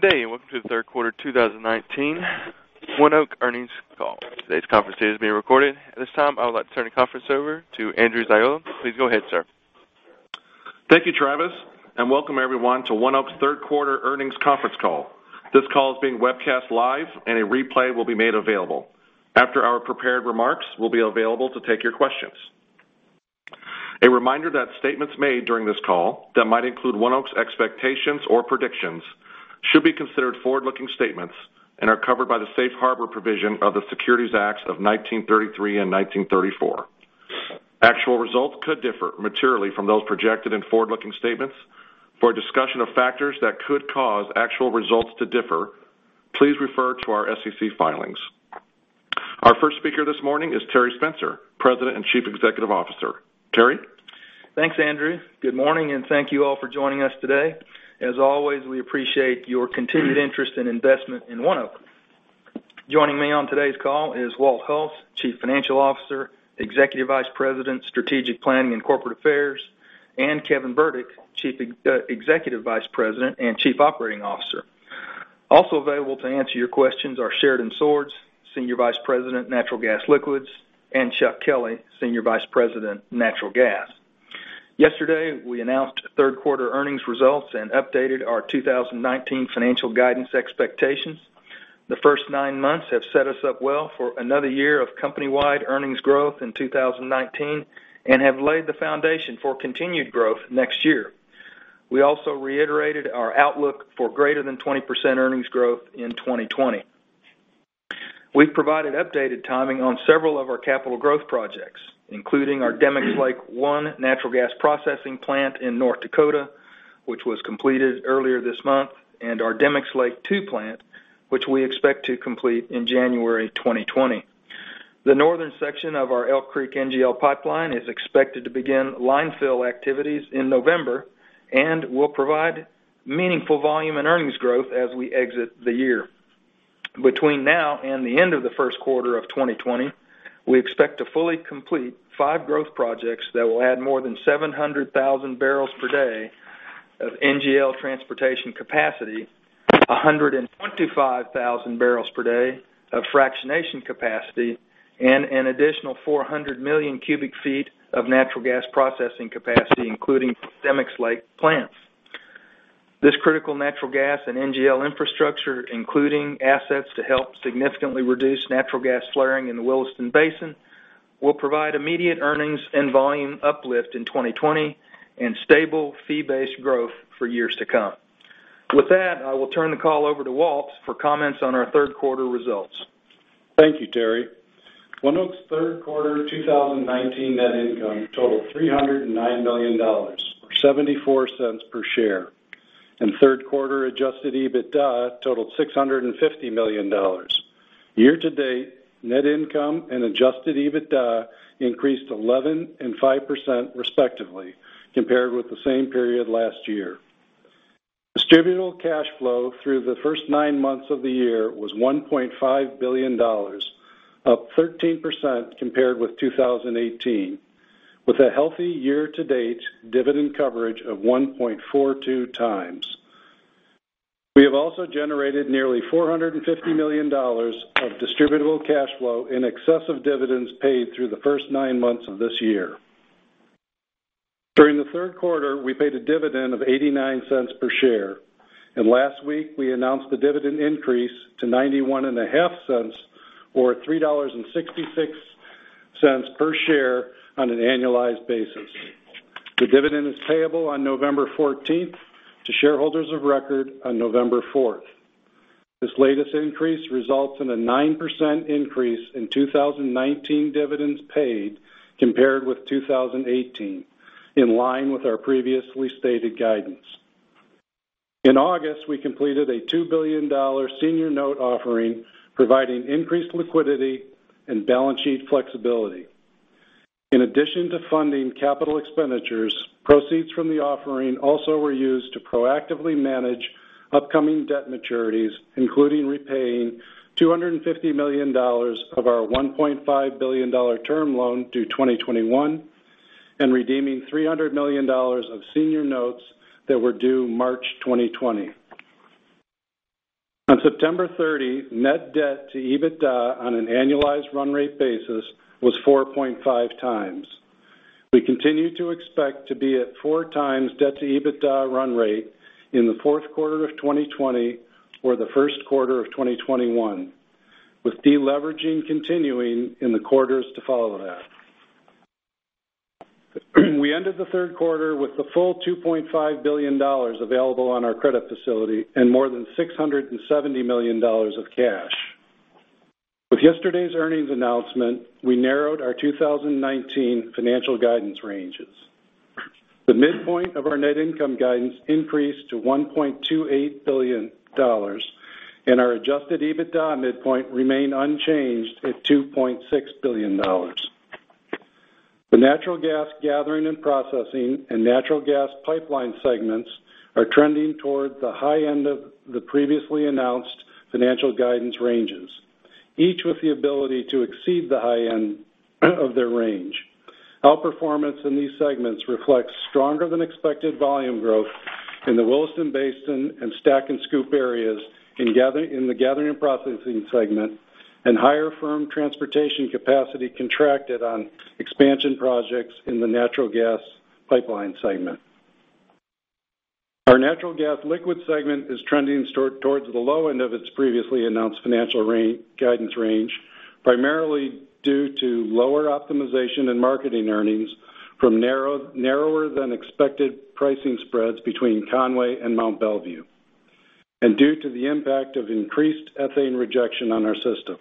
Good day. Welcome to the third quarter 2019 ONEOK earnings call. Today's conference call is being recorded. At this time, I would like to turn the conference over to Andrew Ziola. Please go ahead, sir. Thank you, Travis, and welcome everyone to ONEOK's third quarter earnings conference call. This call is being webcast live, and a replay will be made available. After our prepared remarks, we'll be available to take your questions. A reminder that statements made during this call that might include ONEOK's expectations or predictions should be considered forward-looking statements and are covered by the safe harbor provision of the Securities Act of 1933 and Securities Exchange Act of 1934. Actual results could differ materially from those projected in forward-looking statements. For a discussion of factors that could cause actual results to differ, please refer to our SEC filings. Our first speaker this morning is Terry Spencer, President and Chief Executive Officer. Terry? Thanks, Andrew. Good morning, and thank you all for joining us today. As always, we appreciate your continued interest and investment in ONEOK. Joining me on today's call is Walt Hulse, Chief Financial Officer, Executive Vice President, Strategic Planning and Corporate Affairs, and Kevin Burdick, Executive Vice President and Chief Operating Officer. Also available to answer your questions are Sheridan Swords, Senior Vice President, Natural Gas Liquids, and Chuck Kelly, Senior Vice President, Natural Gas. Yesterday, we announced third-quarter earnings results and updated our 2019 financial guidance expectations. The first nine months have set us up well for another year of company-wide earnings growth in 2019 and have laid the foundation for continued growth next year. We also reiterated our outlook for greater than 20% earnings growth in 2020. We've provided updated timing on several of our capital growth projects, including our Demicks Lake I natural gas processing plant in North Dakota, which was completed earlier this month, and our Demicks Lake II plant, which we expect to complete in January 2020. The northern section of our Elk Creek Pipeline is expected to begin line fill activities in November and will provide meaningful volume and earnings growth as we exit the year. Between now and the end of the first quarter of 2020, we expect to fully complete five growth projects that will add more than 700,000 barrels per day of NGL transportation capacity, 125,000 barrels per day of fractionation capacity, and an additional 400 million cubic feet of natural gas processing capacity, including Demicks Lake plants. This critical natural gas and NGL infrastructure, including assets to help significantly reduce natural gas flaring in the Williston Basin, will provide immediate earnings and volume uplift in 2020 and stable fee-based growth for years to come. With that, I will turn the call over to Walt for comments on our third-quarter results. Thank you, Terry. ONEOK's third quarter 2019 net income totaled $309 million, or $0.74 per share, and third-quarter adjusted EBITDA totaled $650 million. Year-to-date, net income and adjusted EBITDA increased 11% and 5% respectively, compared with the same period last year. Distributable cash flow through the first nine months of the year was $1.5 billion, up 13% compared with 2018, with a healthy year-to-date dividend coverage of 1.42 times. We have also generated nearly $450 million of distributable cash flow in excess of dividends paid through the first nine months of this year. During the third quarter, we paid a dividend of $0.89 per share, and last week we announced the dividend increase to $0.915 or $3.66 per share on an annualized basis. The dividend is payable on November 14th to shareholders of record on November 4th. This latest increase results in a 9% increase in 2019 dividends paid compared with 2018, in line with our previously stated guidance. In August, we completed a $2 billion senior note offering providing increased liquidity and balance sheet flexibility. In addition to funding capital expenditures, proceeds from the offering also were used to proactively manage upcoming debt maturities, including repaying $250 million of our $1.5 billion term loan due 2021 and redeeming $300 million of senior notes that were due March 2020. On September 30, net debt to EBITDA on an annualized run rate basis was 4.5 times. We continue to expect to be at four times debt to EBITDA run rate in the fourth quarter of 2020 or the first quarter of 2021, with deleveraging continuing in the quarters to follow that. We ended the third quarter with the full $2.5 billion available on our credit facility and more than $670 million of cash. With yesterday's earnings announcement, we narrowed our 2019 financial guidance ranges. The midpoint of our net income guidance increased to $1.28 billion, and our adjusted EBITDA midpoint remained unchanged at $2.6 billion. The natural gas gathering and processing and natural gas pipeline segments are trending toward the high end of the previously announced financial guidance ranges, each with the ability to exceed the high end of their range. Outperformance in these segments reflects stronger than expected volume growth in the Williston Basin and STACK and SCOOP areas in the gathering and processing segment, and higher firm transportation capacity contracted on expansion projects in the natural gas pipeline segment. Our natural gas liquid segment is trending towards the low end of its previously announced financial guidance range, primarily due to lower optimization and marketing earnings from narrower than expected pricing spreads between Conway and Mont Belvieu, and due to the impact of increased ethane rejection on our system.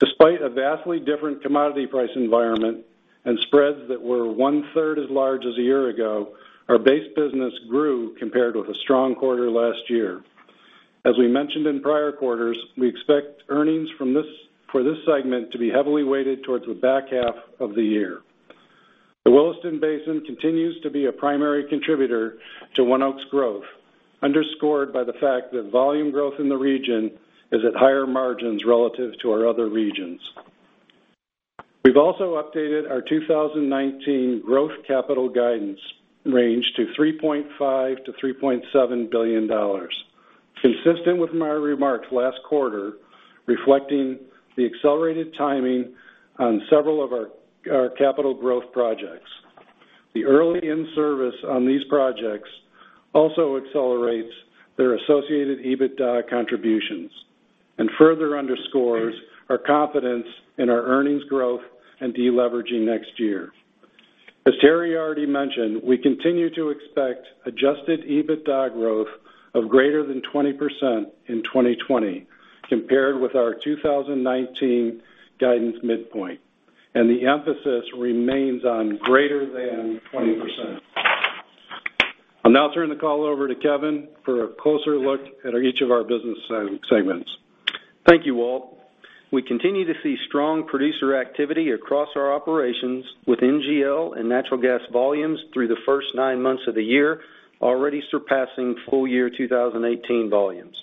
Despite a vastly different commodity price environment and spreads that were one-third as large as a year ago, our base business grew compared with a strong quarter last year. As we mentioned in prior quarters, we expect earnings for this segment to be heavily weighted towards the back half of the year. The Williston Basin continues to be a primary contributor to ONEOK's growth, underscored by the fact that volume growth in the region is at higher margins relative to our other regions. We've also updated our 2019 growth capital guidance range to $3.5 billion-$3.7 billion. Consistent with my remarks last quarter, reflecting the accelerated timing on several of our capital growth projects. The early in-service on these projects also accelerates their associated EBITDA contributions and further underscores our confidence in our earnings growth and deleveraging next year. As Terry already mentioned, we continue to expect adjusted EBITDA growth of greater than 20% in 2020 compared with our 2019 guidance midpoint, and the emphasis remains on greater than 20%. I'll now turn the call over to Kevin for a closer look at each of our business segments. Thank you, Walt. We continue to see strong producer activity across our operations with NGL and natural gas volumes through the first nine months of the year, already surpassing full year 2018 volumes.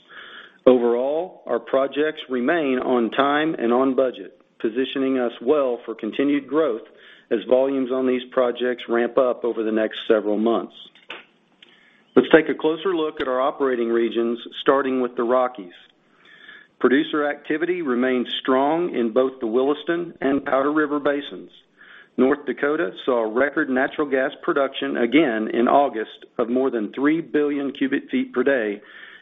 Overall, our projects remain on time and on budget, positioning us well for continued growth as volumes on these projects ramp up over the next several months. Let's take a closer look at our operating regions, starting with the Rockies. Producer activity remains strong in both the Williston and Powder River Basins. North Dakota saw record natural gas production again in August of more than 3 billion cubic feet per day,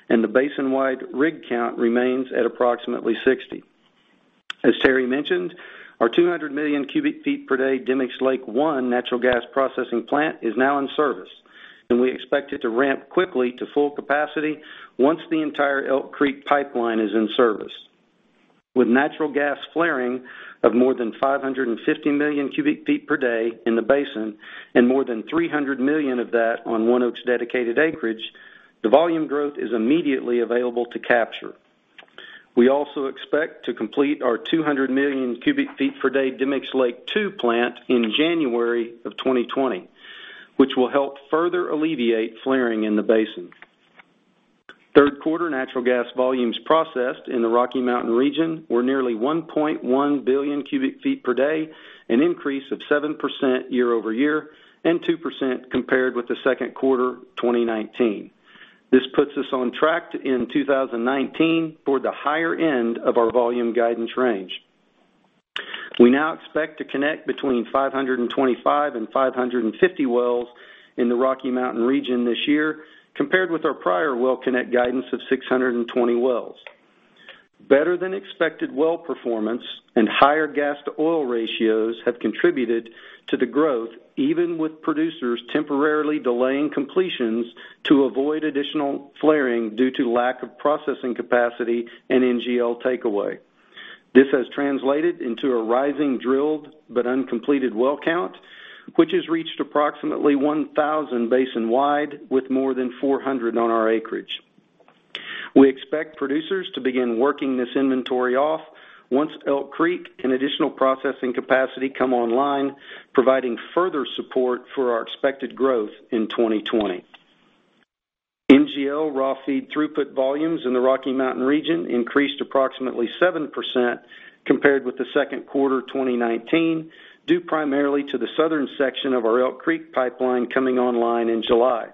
and the basin-wide rig count remains at approximately 60. As Terry mentioned, our 200 million cubic feet per day Demicks Lake I natural gas processing plant is now in service, and we expect it to ramp quickly to full capacity once the entire Elk Creek Pipeline is in service. With natural gas flaring of more than 550 million cubic feet per day in the basin and more than 300 million of that on ONEOK's dedicated acreage, the volume growth is immediately available to capture. We also expect to complete our 200 million cubic feet per day Demicks Lake II plant in January of 2020, which will help further alleviate flaring in the basin. Third quarter natural gas volumes processed in the Rocky Mountain region were nearly 1.1 billion cubic feet per day, an increase of 7% year-over-year and 2% compared with the second quarter 2019. This puts us on track to end 2019 for the higher end of our volume guidance range. We now expect to connect between 525 and 550 wells in the Rocky Mountain region this year, compared with our prior well connect guidance of 620 wells. Better than expected well performance and higher gas-to-oil ratios have contributed to the growth, even with producers temporarily delaying completions to avoid additional flaring due to lack of processing capacity and NGL takeaway. This has translated into a rising drilled but uncompleted well count, which has reached approximately 1,000 basin-wide, with more than 400 on our acreage. We expect producers to begin working this inventory off once Elk Creek and additional processing capacity come online, providing further support for our expected growth in 2020. NGL raw feed throughput volumes in the Rocky Mountain region increased approximately 7% compared with the second quarter 2019, due primarily to the southern section of our Elk Creek Pipeline coming online in July.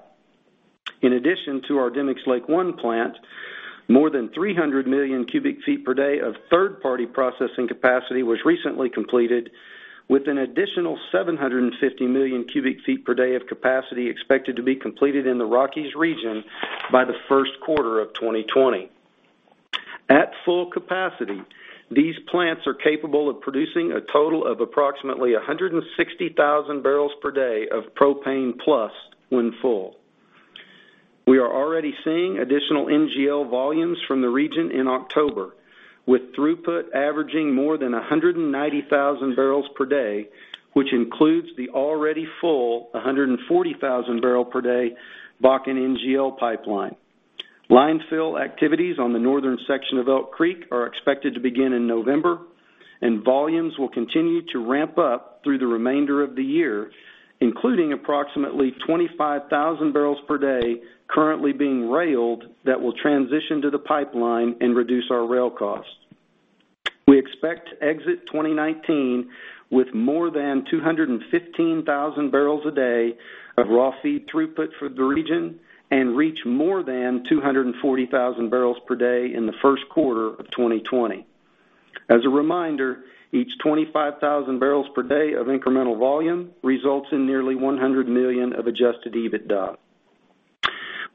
In addition to our Demicks Lake I plant, more than 300 million cubic feet per day of third-party processing capacity was recently completed with an additional 750 million cubic feet per day of capacity expected to be completed in the Rockies region by the first quarter of 2020. At full capacity, these plants are capable of producing a total of approximately 160,000 barrels per day of propane plus when full. We are already seeing additional NGL volumes from the region in October, with throughput averaging more than 190,000 barrels per day, which includes the already full 140,000 barrel per day Bakken NGL Pipeline. Line fill activities on the northern section of Elk Creek are expected to begin in November, and volumes will continue to ramp up through the remainder of the year, including approximately 25,000 barrels per day currently being railed that will transition to the pipeline and reduce our rail cost. We expect to exit 2019 with more than 215,000 barrels a day of raw feed throughput for the region and reach more than 240,000 barrels per day in the first quarter of 2020. As a reminder, each 25,000 barrels per day of incremental volume results in nearly $100 million of adjusted EBITDA.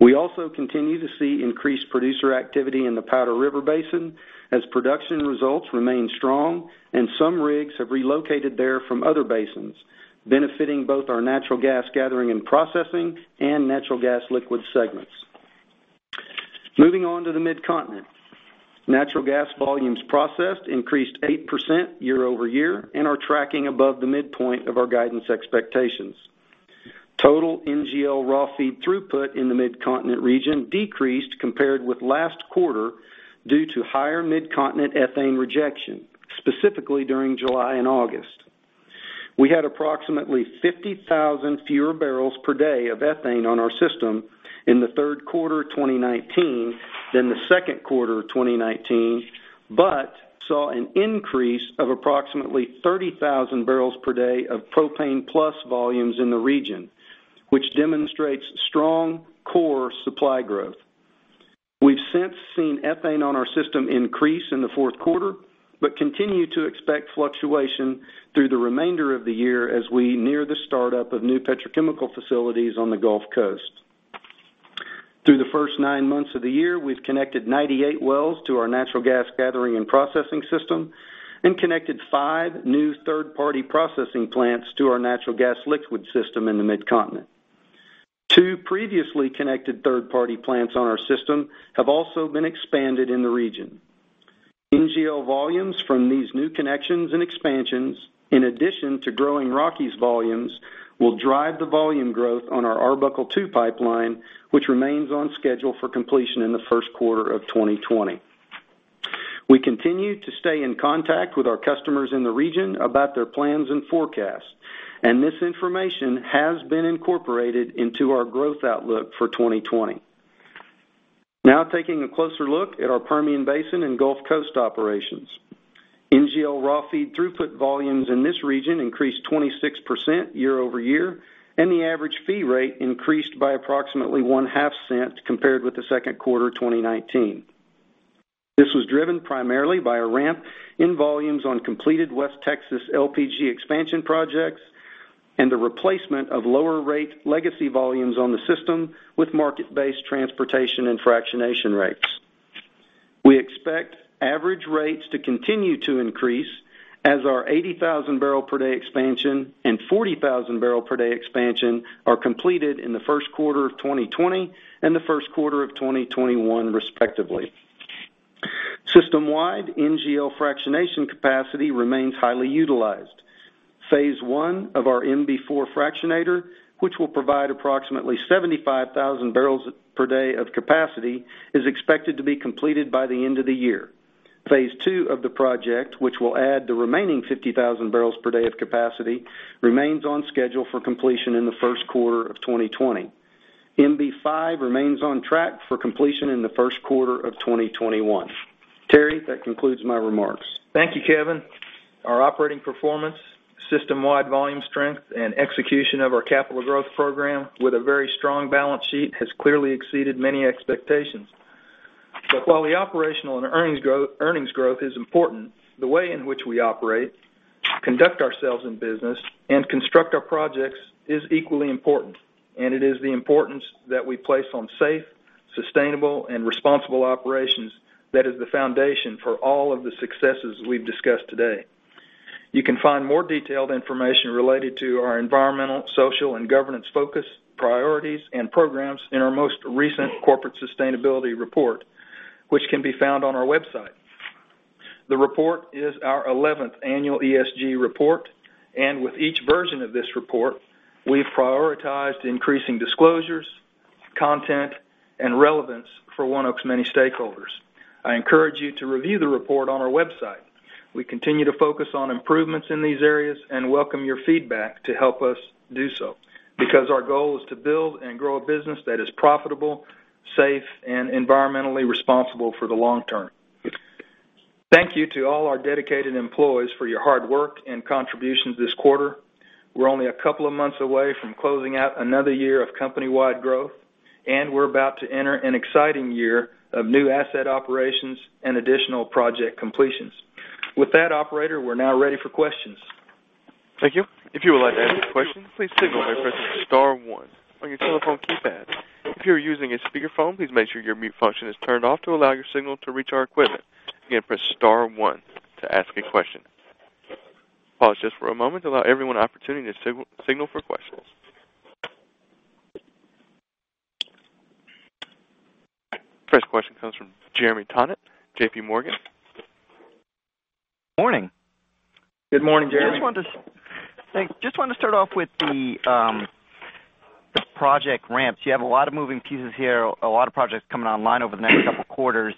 We also continue to see increased producer activity in the Powder River Basin as production results remain strong and some rigs have relocated there from other basins, benefiting both our natural gas gathering and processing and natural gas liquids segments. Moving on to the Mid-Continent. Natural gas volumes processed increased 8% year-over-year and are tracking above the midpoint of our guidance expectations. Total NGL raw feed throughput in the Mid-Continent region decreased compared with last quarter due to higher Mid-Continent ethane rejection, specifically during July and August. We had approximately 50,000 fewer barrels per day of ethane on our system in the third quarter of 2019 than the second quarter of 2019, but saw an increase of approximately 30,000 barrels per day of propane plus volumes in the region, which demonstrates strong core supply growth. We've since seen ethane on our system increase in the fourth quarter, but continue to expect fluctuation through the remainder of the year as we near the start-up of new petrochemical facilities on the Gulf Coast. Through the first nine months of the year, we've connected 98 wells to our natural gas gathering and processing system and connected five new third-party processing plants to our natural gas liquid system in the Mid-Continent. Two previously connected third-party plants on our system have also been expanded in the region. NGL volumes from these new connections and expansions, in addition to growing Rockies volumes, will drive the volume growth on our Arbuckle II Pipeline, which remains on schedule for completion in the first quarter of 2020. We continue to stay in contact with our customers in the region about their plans and forecasts, and this information has been incorporated into our growth outlook for 2020. Now taking a closer look at our Permian Basin and Gulf Coast operations. NGL raw feed throughput volumes in this region increased 26% year-over-year. The average fee rate increased by approximately one half cent compared with the second quarter of 2019. This was driven primarily by a ramp in volumes on completed West Texas LPG expansion projects and the replacement of lower rate legacy volumes on the system with market-based transportation and fractionation rates. We expect average rates to continue to increase as our 80,000-barrel-per-day expansion and 40,000-barrel-per-day expansion are completed in the first quarter of 2020 and the first quarter of 2021, respectively. System-wide NGL fractionation capacity remains highly utilized. Phase one of our MB4 fractionator, which will provide approximately 75,000 barrels per day of capacity, is expected to be completed by the end of the year. Phase 2 of the project, which will add the remaining 50,000 barrels per day of capacity, remains on schedule for completion in the first quarter of 2020. MB-5 remains on track for completion in the first quarter of 2021. Terry, that concludes my remarks. Thank you, Kevin. Our operating performance, system-wide volume strength, and execution of our capital growth program with a very strong balance sheet has clearly exceeded many expectations. While the operational and earnings growth is important, the way in which we operate, conduct ourselves in business, and construct our projects is equally important, and it is the importance that we place on safe, sustainable, and responsible operations that is the foundation for all of the successes we've discussed today. You can find more detailed information related to our environmental, social, and governance focus, priorities, and programs in our most recent corporate sustainability report, which can be found on our website. The report is our 11th annual ESG report, and with each version of this report, we've prioritized increasing disclosures, content, and relevance for ONEOK's many stakeholders. I encourage you to review the report on our website. We continue to focus on improvements in these areas and welcome your feedback to help us do so, because our goal is to build and grow a business that is profitable, safe, and environmentally responsible for the long term. Thank you to all our dedicated employees for your hard work and contributions this quarter. We're only a couple of months away from closing out another year of company-wide growth, and we're about to enter an exciting year of new asset operations and additional project completions. With that, operator, we're now ready for questions. Thank you. If you would like to ask a question, please signal by pressing star one on your telephone keypad. If you're using a speakerphone, please make sure your mute function is turned off to allow your signal to reach our equipment. Again, press star one to ask a question. Pause just for a moment to allow everyone an opportunity to signal for questions. First question comes from Jeremy Tonet, JPMorgan. Morning. Good morning, Jeremy. Thanks. Just wanted to start off with the project ramps. You have a lot of moving pieces here, a lot of projects coming online over the next couple of quarters.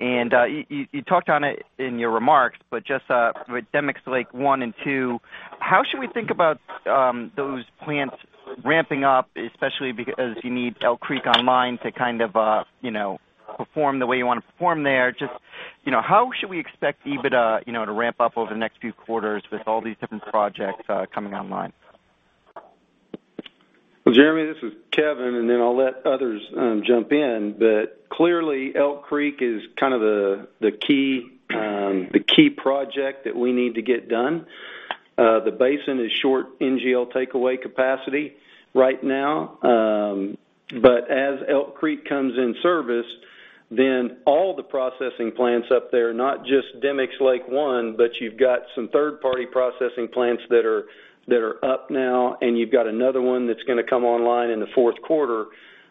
You talked on it in your remarks, but just with Demicks Lake I and II, how should we think about those plants ramping up, especially because you need Elk Creek online to kind of perform the way you want to perform there? How should we expect EBITDA to ramp up over the next few quarters with all these different projects coming online? Well, Jeremy, this is Kevin, I'll let others jump in, clearly Elk Creek is kind of the key project that we need to get done. The basin is short NGL takeaway capacity right now. As Elk Creek comes in service, all the processing plants up there, not just Demicks Lake I, but you've got some third-party processing plants that are up now, you've got another one that's going to come online in the fourth quarter.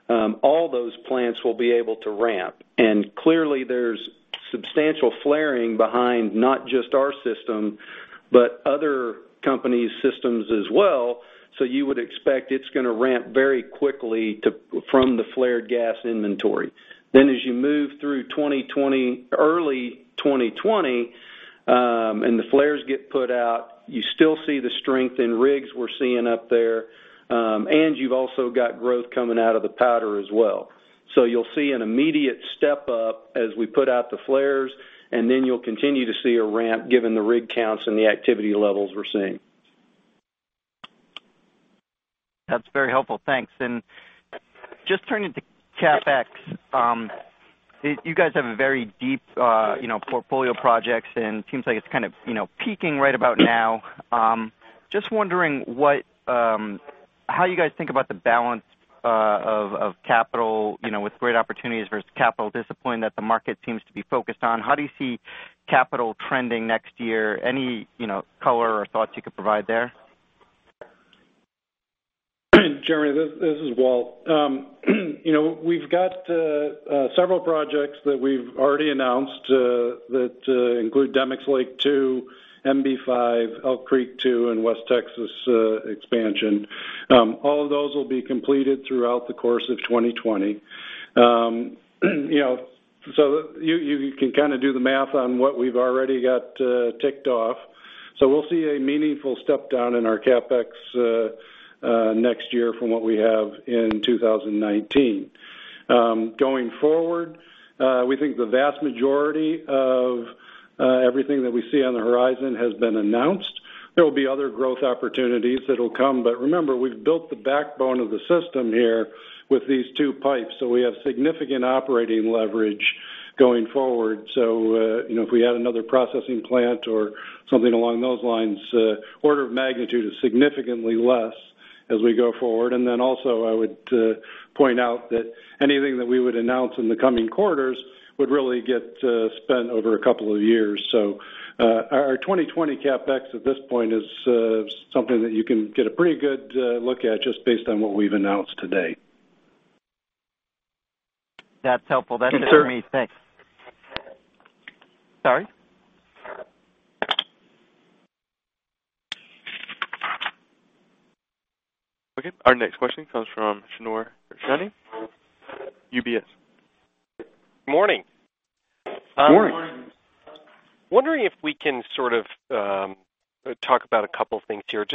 All those plants will be able to ramp. Clearly there's substantial flaring behind not just our system, but other companies' systems as well. You would expect it's going to ramp very quickly from the flared gas inventory. As you move through early 2020, the flares get put out, you still see the strength in rigs we're seeing up there. You've also got growth coming out of the Powder as well. You'll see an immediate step up as we put out the flares. You'll continue to see a ramp given the rig counts and the activity levels we're seeing. That's very helpful. Thanks. Just turning to CapEx. You guys have a very deep portfolio of projects, and it seems like it's kind of peaking right about now. Just wondering how you guys think about the balance of capital with great opportunities versus capital discipline that the market seems to be focused on. How do you see capital trending next year? Any color or thoughts you could provide there? Jeremy, this is Walt. We've got several projects that we've already announced that include Demicks Lake II, MB-5, Elk Creek 2, and West Texas expansion. All of those will be completed throughout the course of 2020. You can kind of do the math on what we've already got ticked off. We'll see a meaningful step down in our CapEx next year from what we have in 2019. Going forward, we think the vast majority of everything that we see on the horizon has been announced. There will be other growth opportunities that'll come. Remember, we've built the backbone of the system here with these two pipes. We have significant operating leverage going forward. If we add another processing plant or something along those lines, order of magnitude is significantly less as we go forward. Also I would point out that anything that we would announce in the coming quarters would really get spent over a couple of years. Our 2020 CapEx at this point is something that you can get a pretty good look at just based on what we've announced today. That's helpful. That's it for me. Thanks. Sorry? Okay, our next question comes from Shneur Gershuni, UBS. Morning. Morning. Wondering if we can sort of talk about a couple of things here.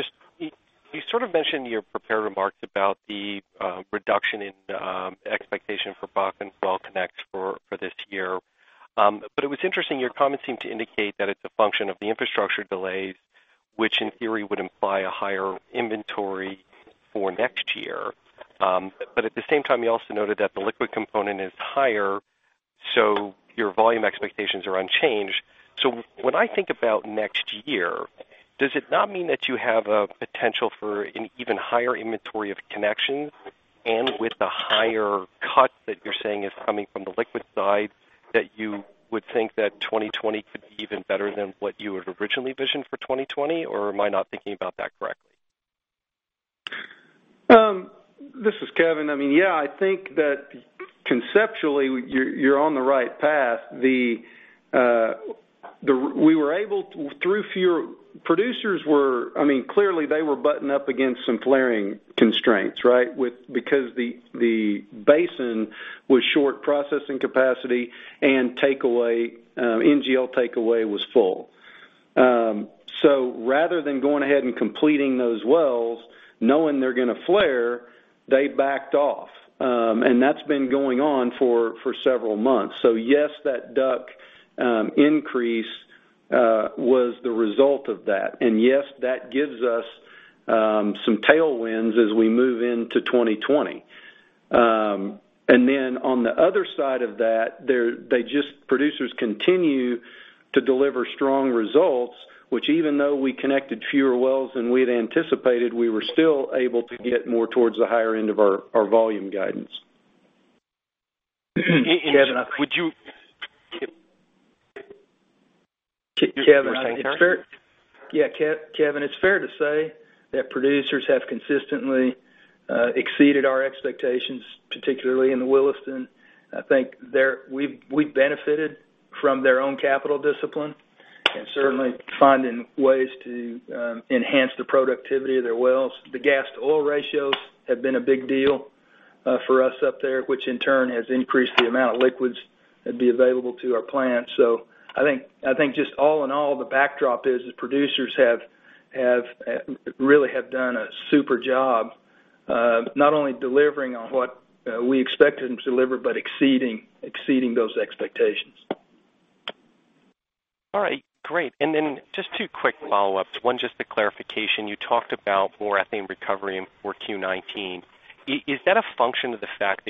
You sort of mentioned your prepared remarks about the reduction in expectation for Bakken well connect for this year. It was interesting, your comments seem to indicate that it's a function of the infrastructure delays, which in theory would imply a higher inventory for next year. At the same time, you also noted that the liquid component is higher, your volume expectations are unchanged. When I think about next year, does it not mean that you have a potential for an even higher inventory of connections and with the higher cut that you're saying is coming from the liquid side, that you would think that 2020 could be even better than what you had originally visioned for 2020? Am I not thinking about that correctly? This is Kevin. I mean, yeah, I think that conceptually, you're on the right path. Clearly they were buttoned up against some flaring constraints, right? Because the basin was short processing capacity and NGL takeaway was full. Rather than going ahead and completing those wells, knowing they're going to flare, they backed off. That's been going on for several months. Yes, that DUC increase was the result of that. Yes, that gives us some tailwinds as we move into 2020. Then on the other side of that, producers continue to deliver strong results, which even though we connected fewer wells than we'd anticipated, we were still able to get more towards the higher end of our volume guidance. Kevin. Kevin, it's fair to say that producers have consistently exceeded our expectations, particularly in the Williston. I think we've benefited from their own capital discipline and certainly finding ways to enhance the productivity of their wells. The gas to oil ratios have been a big deal for us up there, which in turn has increased the amount of liquids that'd be available to our plant. I think just all in all, the backdrop is that producers really have done a super job. Not only delivering on what we expected them to deliver, but exceeding those expectations. All right, great. Then just two quick follow-ups. One, just a clarification. You talked about more ethane recovery for Q19. Is that a function of the fact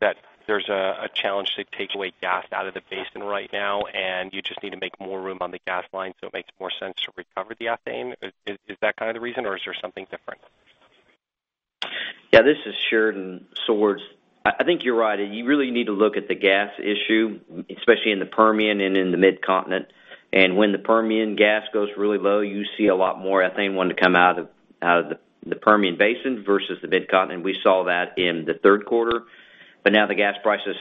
that there's a challenge to take away gas out of the basin right now, and you just need to make more room on the gas line, so it makes more sense to recover the ethane? Is that kind of the reason, or is there something different? This is Sheridan Swords. I think you're right. You really need to look at the gas issue, especially in the Permian Basin and in the Mid-Continent. When the Permian Basin gas goes really low, you see a lot more ethane wanting to come out of the Permian Basin versus the Mid-Continent. We saw that in the third quarter. Now the gas prices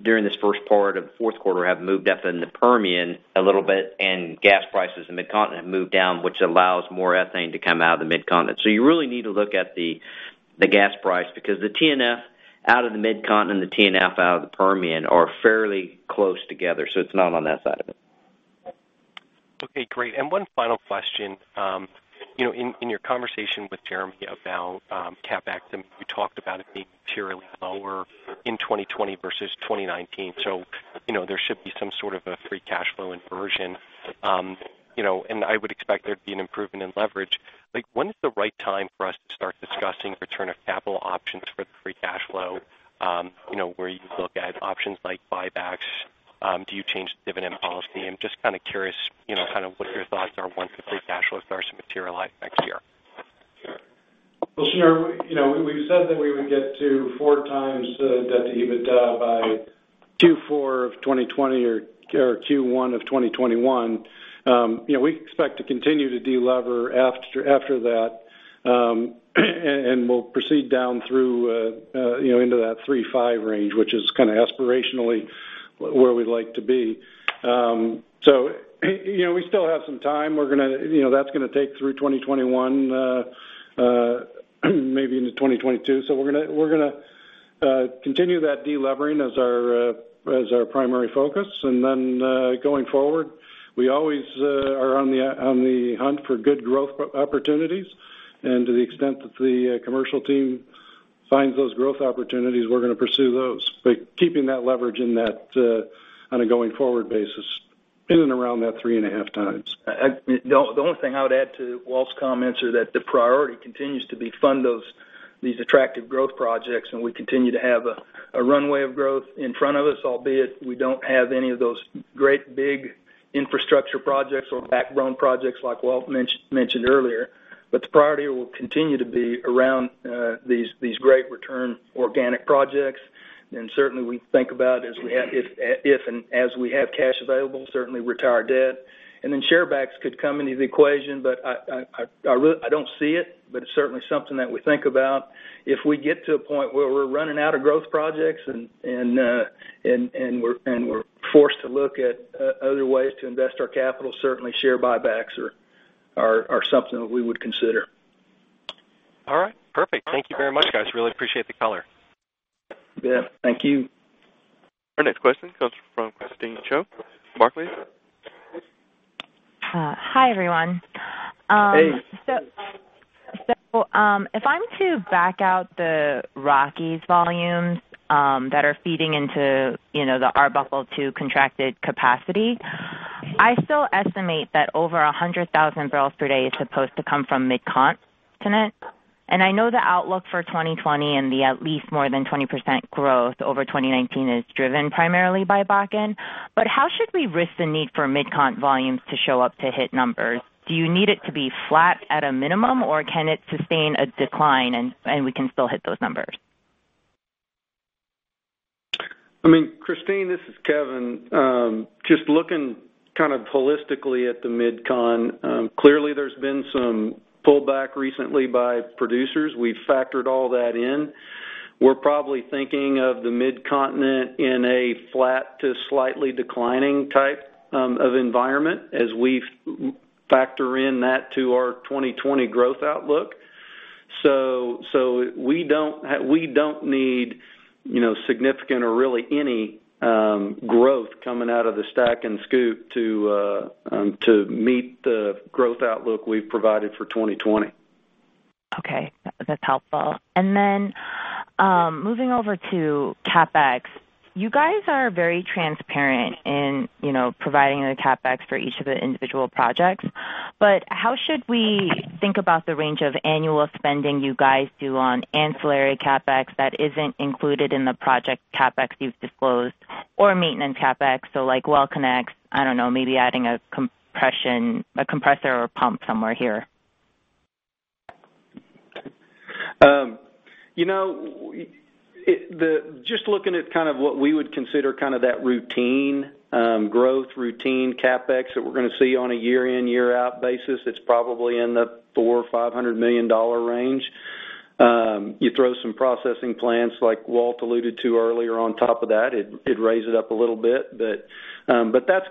during this first part of the fourth quarter have moved up in the Permian Basin a little bit, and gas prices in Mid-Continent have moved down, which allows more ethane to come out of the Mid-Continent. You really need to look at the gas price because the T&F out of the Mid-Continent and the T&F out of the Permian Basin are fairly close together, it's not on that side of it. Okay, great. One final question. In your conversation with Jeremy about CapEx, you talked about it being materially lower in 2020 versus 2019. There should be some sort of a free cash flow inversion. I would expect there to be an improvement in leverage. When is the right time for us to start discussing return of capital options for the free cash flow? Where you look at options like buybacks? Do you change the dividend policy? I'm just curious what your thoughts are once the free cash flows starts to materialize next year. Well, sure. We've said that we would get to 4 times debt to EBITDA by Q4 of 2020 or Q1 of 2021. We expect to continue to de-lever after that, and we'll proceed down through into that 3.5 range, which is kind of aspirationally where we'd like to be. We still have some time. That's going to take through 2021, maybe into 2022. We're going to continue that de-levering as our primary focus. Then going forward, we always are on the hunt for good growth opportunities. To the extent that the commercial team finds those growth opportunities, we're going to pursue those. Keeping that leverage on a going-forward basis in and around that 3.5 times. The only thing I would add to Walt's comments are that the priority continues to be fund these attractive growth projects, and we continue to have a runway of growth in front of us, albeit we don't have any of those great big infrastructure projects or backbone projects like Walt mentioned earlier. The priority will continue to be around these great return organic projects. Certainly, we think about if and as we have cash available, certainly retire debt. Then share backs could come into the equation, but I don't see it, but it's certainly something that we think about. If we get to a point where we're running out of growth projects and we're forced to look at other ways to invest our capital, certainly share buybacks are something that we would consider. All right. Perfect. Thank you very much, guys. Really appreciate the color. Yeah, thank you. Our next question comes from Christine Cho, Barclays. Hi, everyone. Hey. If I'm to back out the Rockies volumes that are feeding into the Arbuckle II contracted capacity, I still estimate that over 100,000 barrels per day is supposed to come from Mid-Continent. I know the outlook for 2020 and the at least more than 20% growth over 2019 is driven primarily by Bakken. How should we risk the need for Mid-Cont volumes to show up to hit numbers? Do you need it to be flat at a minimum, or can it sustain a decline and we can still hit those numbers? Christine, this is Kevin. Just looking holistically at the Mid-Con, clearly there's been some pullback recently by producers. We've factored all that in. We're probably thinking of the Mid-Continent in a flat to slightly declining type of environment as we factor in that to our 2020 growth outlook. We don't need significant or really any growth coming out of the STACK and SCOOP to meet the growth outlook we've provided for 2020. Okay. That's helpful. Moving over to CapEx. You guys are very transparent in providing the CapEx for each of the individual projects. How should we think about the range of annual spending you guys do on ancillary CapEx that isn't included in the project CapEx you've disclosed or maintenance CapEx, so like WellConnect, I don't know, maybe adding a compressor or pump somewhere here? Just looking at what we would consider that routine growth, routine CapEx that we're going to see on a year in, year out basis, it's probably in the $400 or $500 million range. You throw some processing plants like Walt alluded to earlier on top of that, it'd raise it up a little bit. That's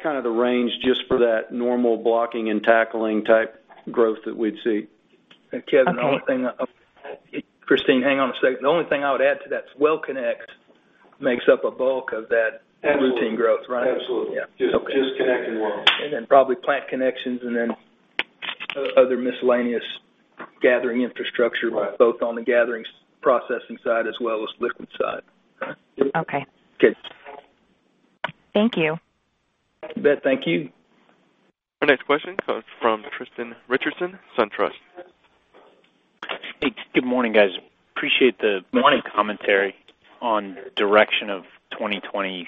kind of the range just for that normal blocking and tackling type growth that we'd see. Okay. Christine, hang on a second. The only thing I would add to that is WellConnect. Makes up a bulk of that. Absolutely routine growth, right? Absolutely. Yeah. Okay. Just connecting well. Then probably plant connections and then other miscellaneous gathering infrastructure. Right both on the gathering processing side as well as liquid side. Right? Okay. Good. Thank you. You bet. Thank you. Our next question comes from Tristan Richardson, SunTrust. Hey, good morning, guys. Morning Commentary on direction of 2020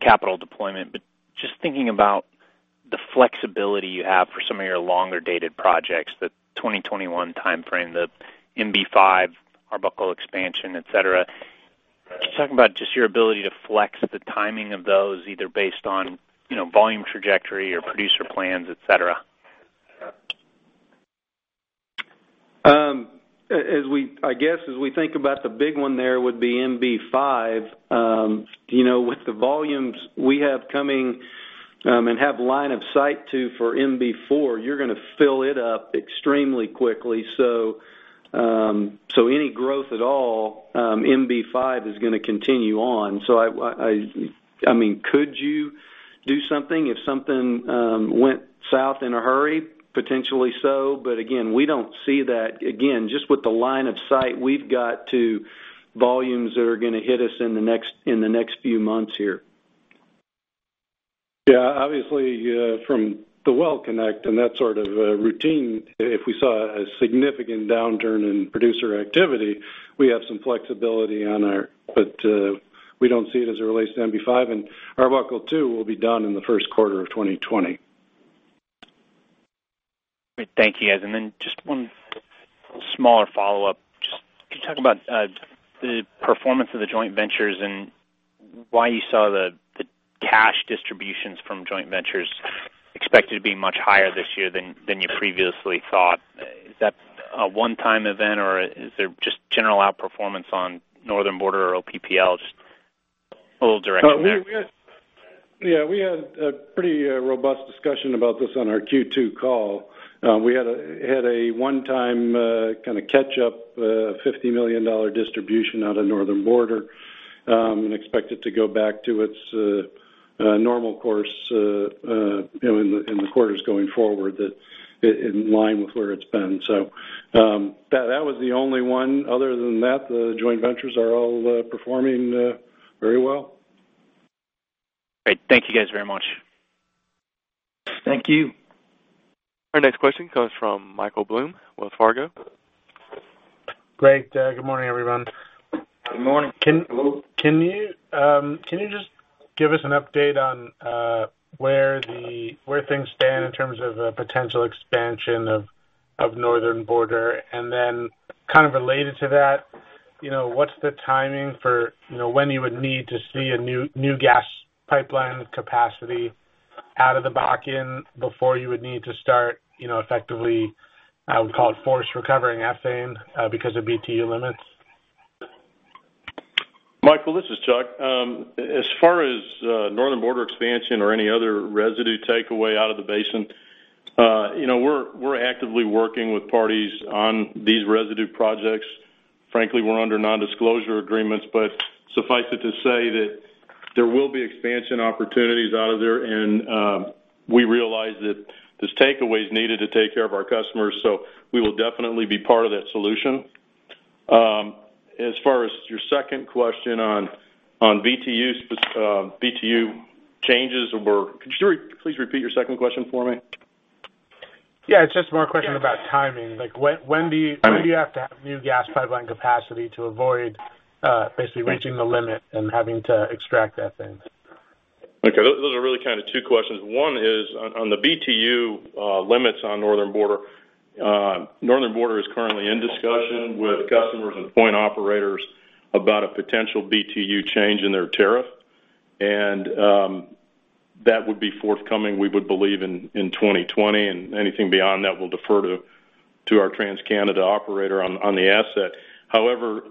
capital deployment. Just thinking about the flexibility you have for some of your longer-dated projects, the 2021 timeframe, the MB-5, Arbuckle expansion, et cetera. Right. Just talking about just your ability to flex the timing of those either based on volume trajectory or producer plans, et cetera. The big one there would be MB-5. With the volumes we have coming, and have line of sight to for MB-4, you're going to fill it up extremely quickly. Any growth at all, MB-5 is going to continue on. Could you do something if something went south in a hurry? Potentially so. Again, we don't see that. Again, just with the line of sight we've got to volumes that are going to hit us in the next few months here. Obviously, from the well connect and that sort of routine, if we saw a significant downturn in producer activity, we have some flexibility. We don't see it as it relates to MB-5. Arbuckle II will be done in the first quarter of 2020. Great. Thank you, guys. Then just one smaller follow-up. Can you talk about the performance of the joint ventures and why you saw the cash distributions from joint ventures expected to be much higher this year than you previously thought? Is that a one-time event or is there just general outperformance on Northern Border or OPPL, a little direction there? Yeah, we had a pretty robust discussion about this on our Q2 call. We had a one-time kind of catch up, $50 million distribution out of Northern Border, and expect it to go back to its normal course in the quarters going forward in line with where it's been. That was the only one. Other than that, the joint ventures are all performing very well. Great. Thank you guys very much. Thank you. Our next question comes from Michael Blum, Wells Fargo. Great. Good morning, everyone. Good morning. Can you just give us an update on where things stand in terms of potential expansion of Northern Border? Kind of related to that, what's the timing for when you would need to see a new gas pipeline capacity out of the Bakken before you would need to start effectively, I would call it forced recovering ethane because of BTU limits? Michael, this is Chuck. As far as Northern Border expansion or any other residue takeaway out of the basin, we're actively working with parties on these residue projects. Frankly, we're under non-disclosure agreements, suffice it to say that there will be expansion opportunities out of there and we realize that this takeaway's needed to take care of our customers, we will definitely be part of that solution. As far as your second question on BTU changes or Could you please repeat your second question for me? Yeah, it's just more a question about timing. Like when do you have to have new gas pipeline capacity to avoid basically reaching the limit and having to extract ethane? Okay. Those are really kind of two questions. One is on the BTU limits on Northern Border. Northern Border is currently in discussion with customers and point operators about a potential BTU change in their tariff. That would be forthcoming, we would believe in 2020, and anything beyond that will defer to our TransCanada operator on the asset. However,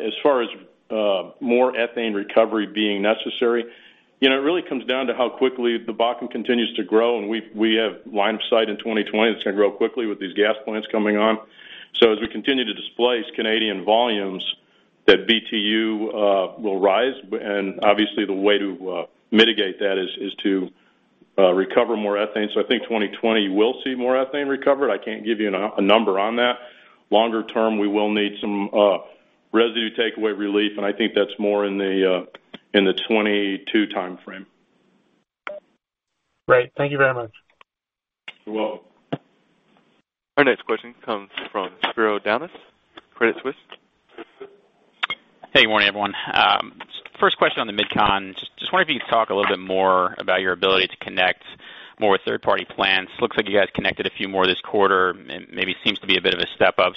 as far as more ethane recovery being necessary, it really comes down to how quickly the Bakken continues to grow, and we have line of sight in 2020 that's going to grow quickly with these gas plants coming on. As we continue to displace Canadian volumes, that BTU will rise. Obviously the way to mitigate that is to recover more ethane. I think 2020 will see more ethane recovered. I can't give you a number on that. Longer term, we will need some residue takeaway relief, and I think that's more in the 2022 timeframe. Great. Thank you very much. You're welcome. Our next question comes from Spiro Dounis, Credit Suisse. Hey, good morning, everyone. First question on the MidCon. Just wondering if you could talk a little bit more about your ability to connect more third-party plants. Looks like you guys connected a few more this quarter, maybe seems to be a bit of a step up.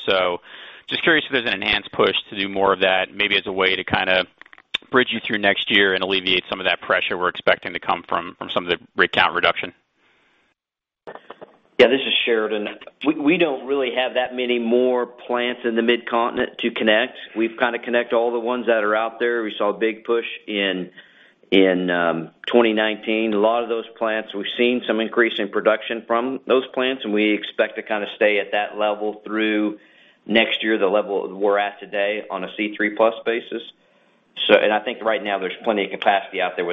Just curious if there's an enhanced push to do more of that, maybe as a way to kind of bridge you through next year and alleviate some of that pressure we're expecting to come from some of the rig count reduction. Yeah, this is Sheridan. We don't really have that many more plants in the Midcontinent to connect. We've kind of connect all the ones that are out there. We saw a big push in In 2019, a lot of those plants, we've seen some increase in production from those plants. We expect to stay at that level through next year, the level we're at today on a C3+ basis. I think right now there's plenty of capacity out there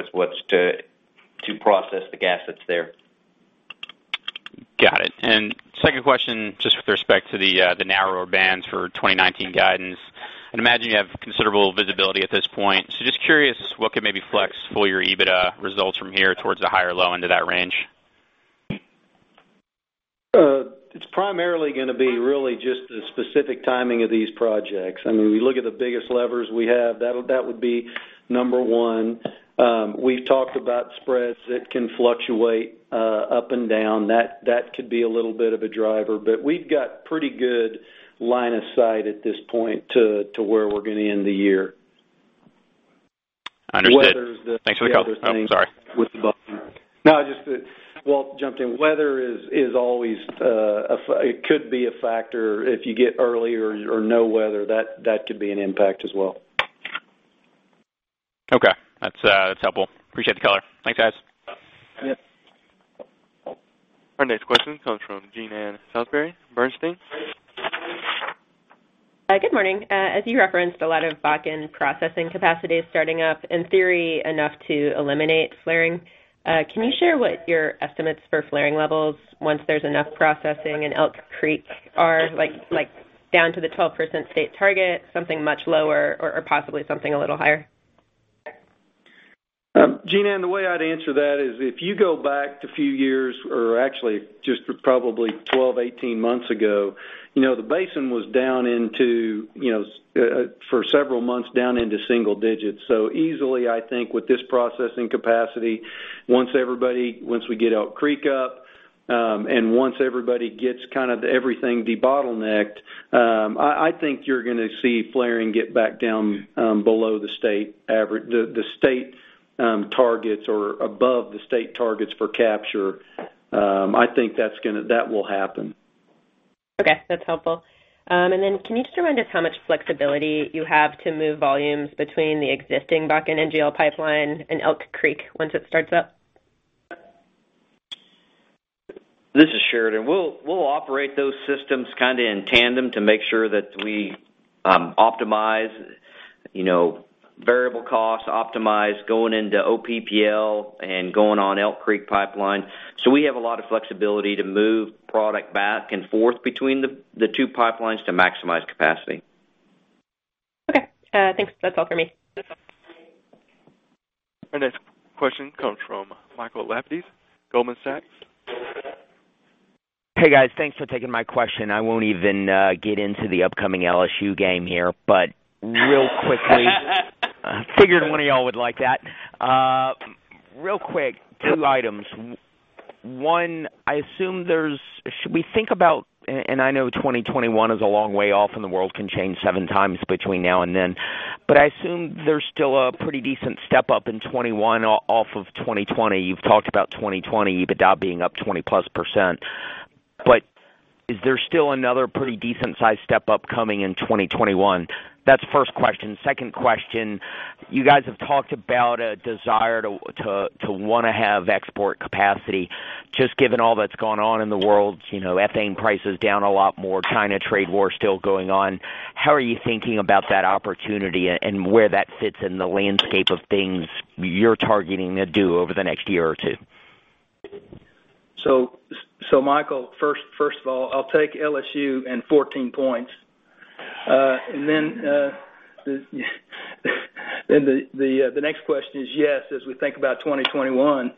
to process the gas that's there. Got it. Second question, just with respect to the narrower bands for 2019 guidance, I'd imagine you have considerable visibility at this point. Just curious, what could maybe flex full year EBITDA results from here towards the higher low end of that range? It's primarily going to be really just the specific timing of these projects. We look at the biggest levers we have, that would be number 1. We've talked about spreads that can fluctuate up and down. That could be a little bit of a driver. We've got pretty good line of sight at this point to where we're going to end the year. Understood. Thanks for the call. Oh, sorry. No, just that Walt jumped in. Weather, it could be a factor if you get early or no weather, that could be an impact as well. Okay. That's helpful. Appreciate the color. Thanks, guys. Yep. Our next question comes from Jean Ann Salisbury, Bernstein. Good morning. As you referenced, a lot of Bakken processing capacity is starting up, in theory, enough to eliminate flaring. Can you share what your estimates for flaring levels once there's enough processing in Elk Creek are, like down to the 12% state target, something much lower or possibly something a little higher? Jean Ann, the way I'd answer that is if you go back a few years or actually just probably 12, 18 months ago, the basin was, for several months, down into single digits. Easily, I think with this processing capacity, once we get Elk Creek up, and once everybody gets everything debottlenecked, I think you're going to see flaring get back down below the state targets or above the state targets for capture. I think that will happen. Okay. That's helpful. Can you just remind us how much flexibility you have to move volumes between the existing Bakken NGL Pipeline and Elk Creek once it starts up? This is Sheridan. We'll operate those systems kind of in tandem to make sure that we optimize variable costs, optimize going into OPPL and going on Elk Creek Pipeline. We have a lot of flexibility to move product back and forth between the two pipelines to maximize capacity. Okay. Thanks. That's all for me. Our next question comes from Michael Lapides, Goldman Sachs. Hey, guys. Thanks for taking my question. I won't even get into the upcoming LSU game here, but real quickly. Figured one of y'all would like that. Real quick, two items. One, I know 2021 is a long way off and the world can change seven times between now and then, but I assume there's still a pretty decent step up in 2021 off of 2020. You've talked about 2020 EBITDA being up 20-plus%. Is there still another pretty decent size step up coming in 2021? That's the first question. Second question, you guys have talked about a desire to want to have export capacity. Just given all that's gone on in the world, ethane prices down a lot more, China trade war still going on, how are you thinking about that opportunity and where that fits in the landscape of things you're targeting to do over the next year or two? Michael, first of all, I'll take LSU and 14 points. The next question is, yes, as we think about 2021,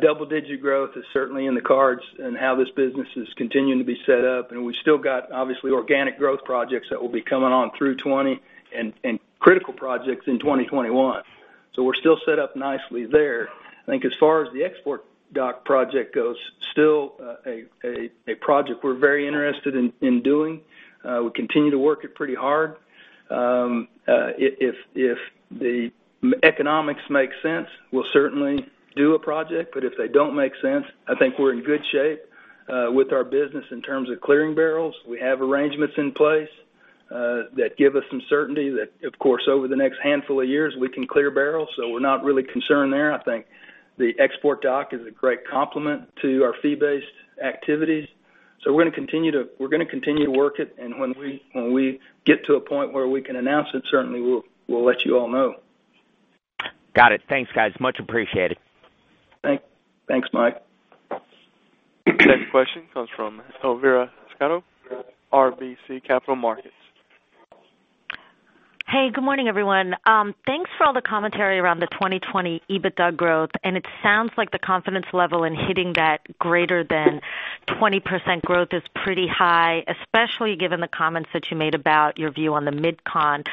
double-digit growth is certainly in the cards and how this business is continuing to be set up, and we've still got, obviously, organic growth projects that will be coming on through 2020 and critical projects in 2021. We're still set up nicely there. I think as far as the export dock project goes, still a project we're very interested in doing. We continue to work it pretty hard. If the economics make sense, we'll certainly do a project, but if they don't make sense, I think we're in good shape with our business in terms of clearing barrels. We have arrangements in place that give us some certainty that, of course, over the next handful of years, we can clear barrels. We're not really concerned there. I think the export dock is a great complement to our fee-based activities. We're going to continue to work it, and when we get to a point where we can announce it, certainly, we'll let you all know. Got it. Thanks, guys. Much appreciated. Thanks, Mike. Next question comes from Elvira Scotto, RBC Capital Markets. Hey, good morning, everyone. Thanks for all the commentary around the 2020 EBITDA growth. It sounds like the confidence level in hitting that greater than 20% growth is pretty high, especially given the comments that you made about your view on the MidCon.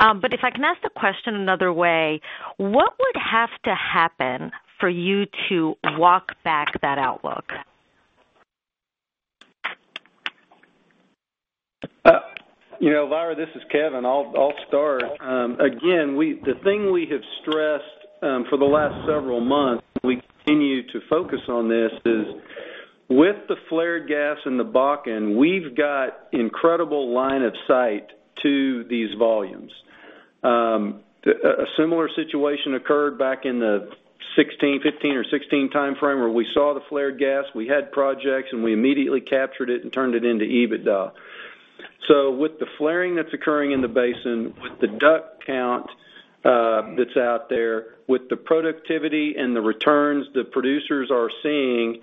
If I can ask the question another way, what would have to happen for you to walk back that outlook? Elvira, this is Kevin. I'll start. Again, the thing we have stressed for the last several months, we continue to focus on this is With the flared gas in the Bakken, we've got incredible line of sight to these volumes. A similar situation occurred back in the 2015 or 2016 timeframe where we saw the flared gas, we had projects, and we immediately captured it and turned it into EBITDA. With the flaring that's occurring in the basin, with the DUC count that's out there, with the productivity and the returns that producers are seeing,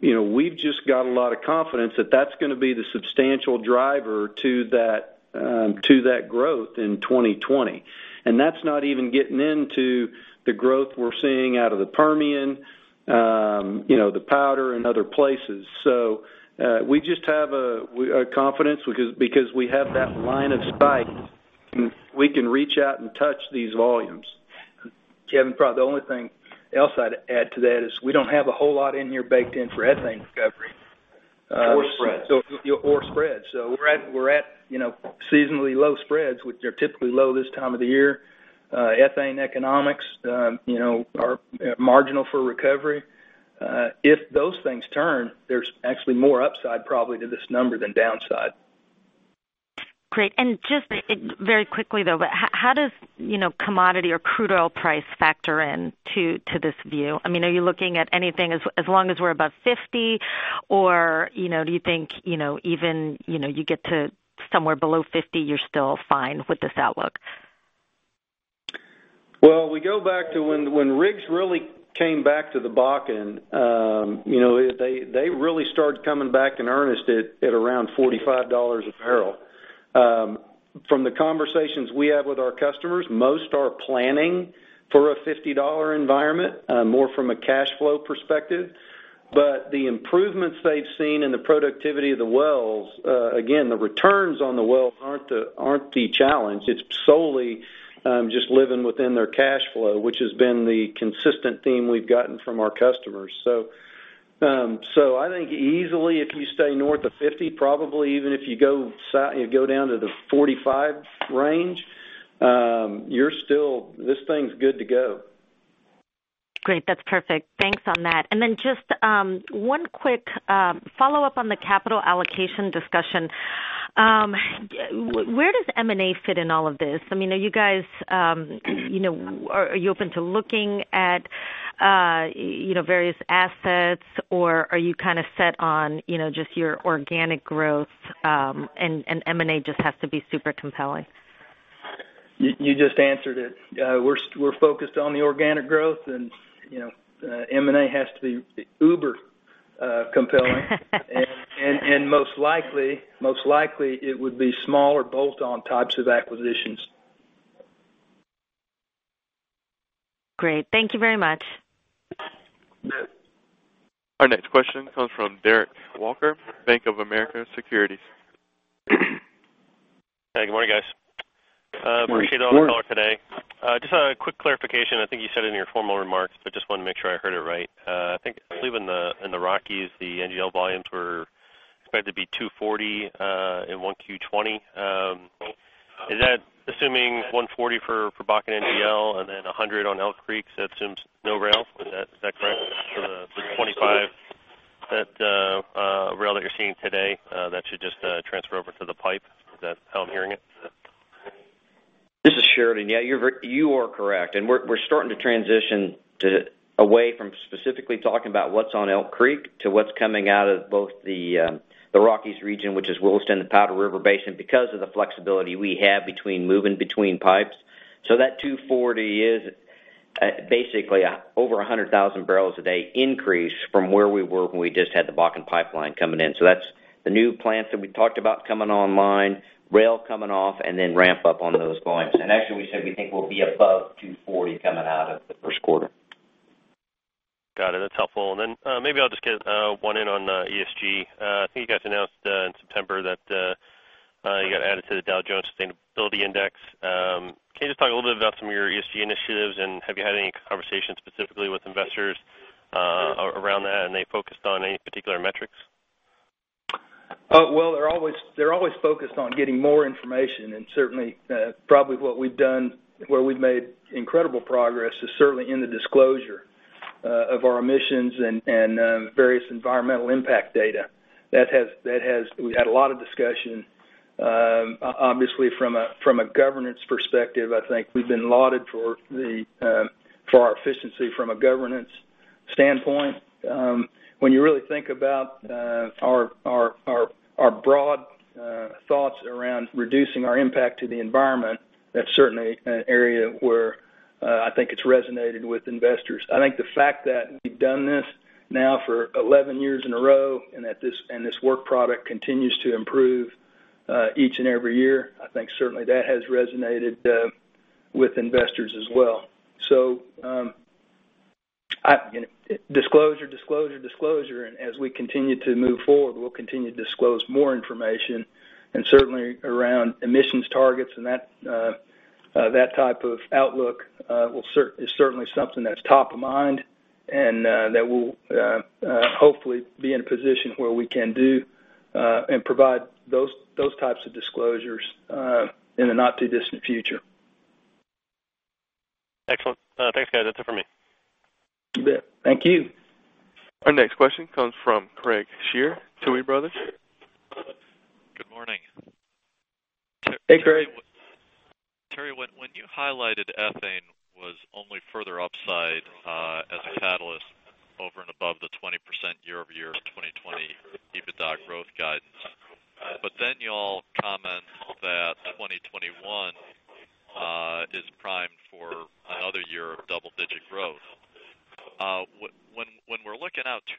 we've just got a lot of confidence that that's going to be the substantial driver to that growth in 2020. That's not even getting into the growth we're seeing out of the Permian, the Powder, and other places. We just have a confidence because we have that line of sight, and we can reach out and touch these volumes. Kevin, probably the only thing else I'd add to that is we don't have a whole lot in here baked in for ethane recovery. Spreads. Spreads. We're at seasonally low spreads, which are typically low this time of the year. Ethane economics are marginal for recovery. If those things turn, there's actually more upside probably to this number than downside. Great. Just very quickly, though, but how does commodity or crude oil price factor in to this view? Are you looking at anything as long as we're above 50? Do you think even you get to somewhere below 50, you're still fine with this outlook? Well, we go back to when rigs really came back to the Bakken. They really started coming back in earnest at around $45 a barrel. From the conversations we have with our customers, most are planning for a $50 environment, more from a cash flow perspective. The improvements they've seen in the productivity of the wells, again, the returns on the wells aren't the challenge. It's solely just living within their cash flow, which has been the consistent theme we've gotten from our customers. I think easily, if you stay north of 50, probably even if you go down to the 45 range, this thing's good to go. Great. That's perfect. Thanks on that. Just one quick follow-up on the capital allocation discussion. Where does M&A fit in all of this? Are you open to looking at various assets, or are you kind of set on just your organic growth, and M&A just has to be super compelling? You just answered it. We're focused on the organic growth, and M&A has to be uber compelling. Most likely, it would be smaller bolt-on types of acquisitions. Great. Thank you very much. Our next question comes from Derek Walker, Bank of America Securities. Hey, good morning, guys. Morning. Morning. Appreciate it. On the call today. Just a quick clarification. I think you said it in your formal remarks. Just wanted to make sure I heard it right. I think, I believe in the Rockies, the NGL volumes were expected to be 240 in 1Q20. Is that assuming 140 for Bakken NGL and then 100 on Elk Creek? That assumes no rail? Is that correct? For the 25, that rail that you're seeing today, that should just transfer over to the pipe. Is that how I'm hearing it? This is Sheridan. Yeah, you are correct. We're starting to transition away from specifically talking about what's on Elk Creek to what's coming out of both the Rockies region, which is Williston, the Powder River Basin because of the flexibility we have between moving between pipes. That 240 is basically over 100,000 barrels a day increase from where we were when we just had the Bakken pipeline coming in. That's the new plants that we talked about coming online, rail coming off, and then ramp up on those volumes. Actually, we said we think we'll be above 240 coming out of the first quarter. Got it. That's helpful. Then maybe I'll just get one in on ESG. I think you guys announced in September that you got added to the Dow Jones Sustainability Index. Can you just talk a little bit about some of your ESG initiatives, and have you had any conversations specifically with investors around that, and they focused on any particular metrics? Well, they're always focused on getting more information, and certainly, probably what we've done where we've made incredible progress is certainly in the disclosure of our emissions and various environmental impact data. We had a lot of discussion obviously from a governance perspective. I think we've been lauded for our efficiency from a governance standpoint. When you really think about our broad thoughts around reducing our impact to the environment, that's certainly an area where I think it's resonated with investors. I think the fact that we've done this now for 11 years in a row and this work product continues to improve each and every year, I think certainly that has resonated with investors as well. Disclosure, disclosure, and as we continue to move forward, we'll continue to disclose more information, and certainly around emissions targets and that type of outlook is certainly something that's top of mind, and that we'll hopefully be in a position where we can do and provide those types of disclosures in the not-too-distant future. Excellent. Thanks guys. That's it for me. You bet. Thank you. Our next question comes from Craig Shere, Tuohy Brothers. Good morning. Hey, Craig. Terry, when you highlighted ethane was only further upside as a catalyst over and above the 20% year-over-year 2020 EBITDA growth guidance, but then you all comment that 2021 is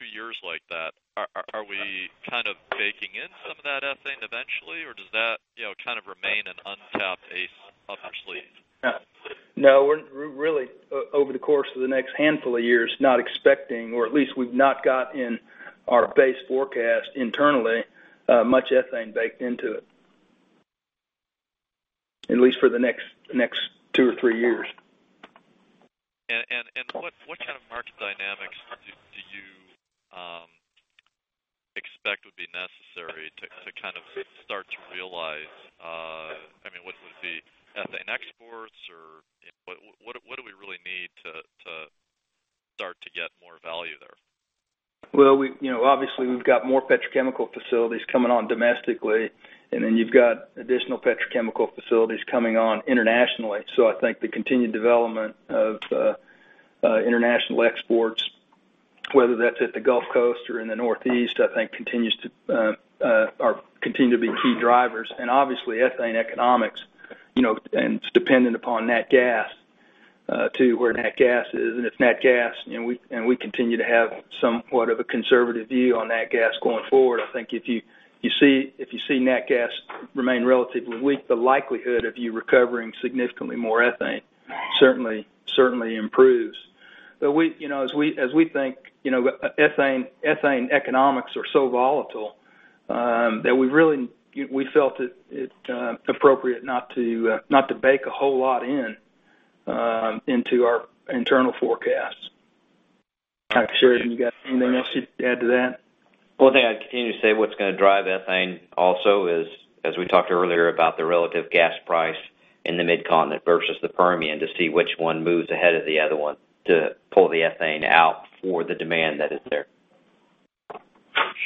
primed for another year of double-digit growth. When we're looking out two years like that, are we kind of baking in some of that ethane eventually, or does that kind of remain an untapped ace up your sleeve? No. We're really, over the course of the next handful of years, not expecting, or at least we've not got in our base forecast internally, much ethane baked into it. At least for the next two or three years. What kind of market dynamics do you expect would be necessary to kind of start to realize? Would it be ethane exports or what do we really need to start to get more value there? Obviously we've got more petrochemical facilities coming on domestically, and then you've got additional petrochemical facilities coming on internationally. I think the continued development of international exports, whether that's at the Gulf Coast or in the Northeast, I think continue to be key drivers. Obviously ethane economics, and it's dependent upon nat gas too, where nat gas is. If nat gas, and we continue to have somewhat of a conservative view on nat gas going forward, I think if you see nat gas remain relatively weak, the likelihood of you recovering significantly more ethane certainly improves. As we think, ethane economics are so volatile, that we felt it appropriate not to bake a whole lot in into our internal forecasts. Craig, Sheridan, you got anything else to add to that? Well, I think I'd continue to say what's going to drive ethane also is, as we talked earlier about the relative gas price in the Mid-Continent versus the Permian, to see which one moves ahead of the other one to pull the ethane out for the demand that is there.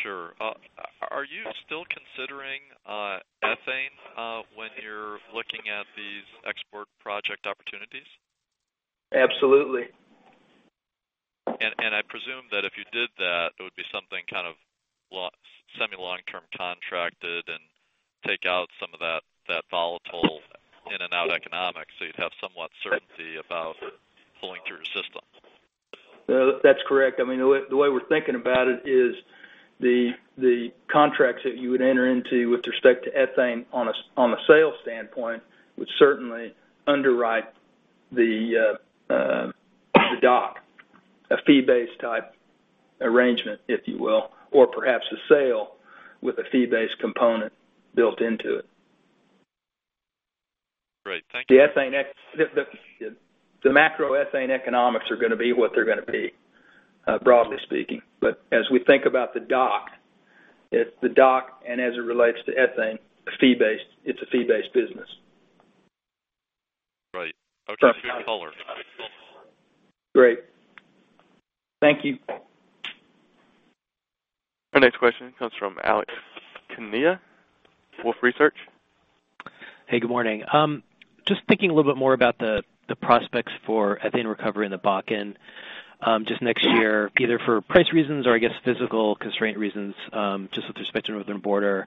Sure. Are you still considering ethane when you're looking at these export project opportunities? Absolutely. I presume that if you did that, it would be something kind of semi-long term contracted and take out some of that volatile in and out economics, so you'd have somewhat certainty about flowing through your system. That's correct. The way we're thinking about it is the contracts that you would enter into with respect to ethane on a sales standpoint would certainly underwrite the DUC. A fee-based type arrangement, if you will, or perhaps a sale with a fee-based component built into it. Great. Thank you. The macro ethane economics are going to be what they're going to be, broadly speaking. As we think about the DUC, it's the DUC, and as it relates to ethane, it's a fee-based business. Right. Okay. Good color. Great. Thank you. Our next question comes from Alex Kania, Wolfe Research. Hey, good morning. Just thinking a little bit more about the prospects for ethane recovery in the Bakken. Just next year, either for price reasons or I guess physical constraint reasons, just with respect to the Northern Border.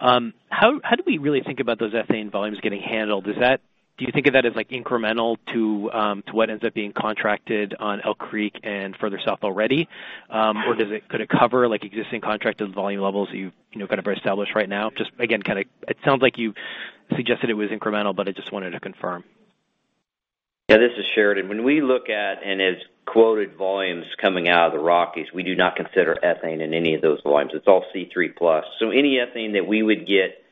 How do we really think about those ethane volumes getting handled? Do you think of that as incremental to what ends up being contracted on Elk Creek and further south already? Could it cover existing contracted volume levels that you've kind of established right now? Just again, it sounds like you suggested it was incremental, but I just wanted to confirm. This is Sheridan. When we look at as quoted volumes coming out of the Rockies, we do not consider ethane in any of those volumes. It's all C3+. Any ethane that we would get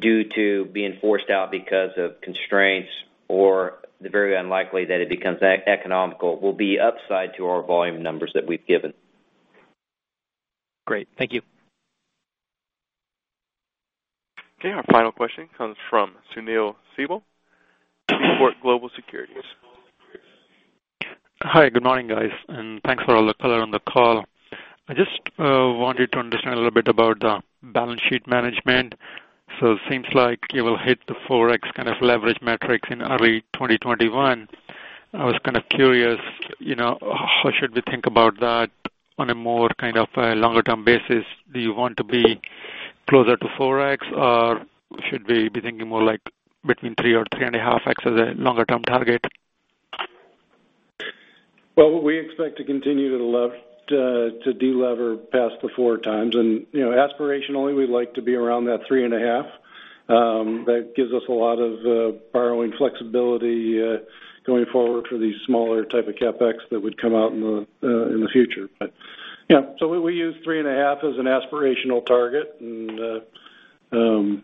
due to being forced out because of constraints or the very unlikely that it becomes economical, will be upside to our volume numbers that we've given. Great. Thank you. Okay, our final question comes from Sunil Sibal, Seaport Global Securities. Hi, good morning guys, thanks for all the color on the call. I just wanted to understand a little bit about the balance sheet management. Seems like you will hit the 4x kind of leverage metrics in early 2021. I was kind of curious, how should we think about that on a more kind of a longer-term basis? Do you want to be closer to 4x, or should we be thinking more like between three or three and a half x as a longer-term target? Well, we expect to continue to delever past the four times. Aspirationally, we'd like to be around that three and a half. That gives us a lot of borrowing flexibility going forward for these smaller type of CapEx that would come out in the future. Yeah, we use three and a half as an aspirational target, and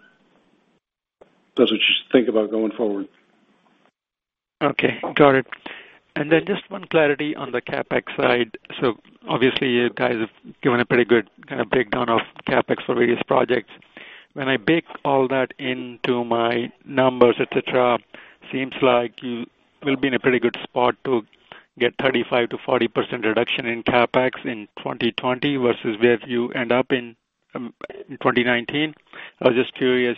that's what you should think about going forward. Okay. Got it. Just one clarity on the CapEx side. Obviously you guys have given a pretty good kind of breakdown of CapEx for various projects. When I bake all that into my numbers, et cetera, seems like you will be in a pretty good spot to get 35%-40% reduction in CapEx in 2020 versus where you end up in 2019. I was just curious,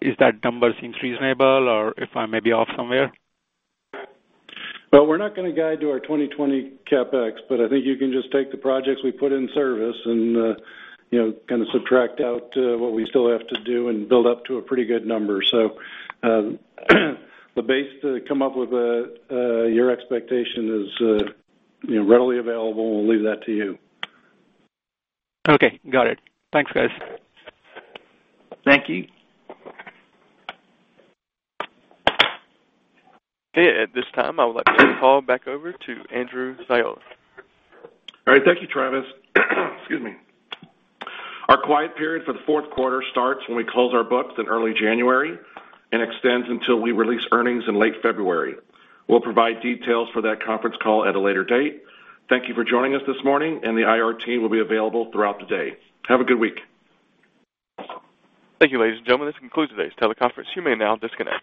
is that number seems reasonable or if I may be off somewhere? Well, we're not going to guide to our 2020 CapEx, but I think you can just take the projects we put in service and kind of subtract out what we still have to do and build up to a pretty good number. The base to come up with your expectation is readily available, and we'll leave that to you. Okay. Got it. Thanks, guys. Thank you. Okay, at this time, I would like to turn the call back over to Andrew Ziola. All right. Thank you, Travis. Excuse me. Our quiet period for the fourth quarter starts when we close our books in early January and extends until we release earnings in late February. We'll provide details for that conference call at a later date. Thank you for joining us this morning, and the IR team will be available throughout the day. Have a good week. Thank you, ladies and gentlemen. This concludes today's teleconference. You may now disconnect.